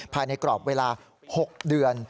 ภายในกรอบเวลา๖เดือน